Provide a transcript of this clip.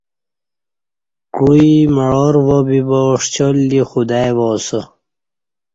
کوعی معاروا بِبا ݜیال دی خدای وا اسہ